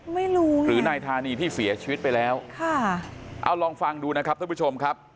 ไม่รู้หรือนายธานีที่เสียชีวิตไปแล้วค่ะเอาลองฟังดูนะครับท่านผู้ชมครับ